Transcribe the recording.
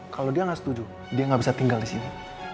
kalau dia gak setuju dia gak bisa tinggal disini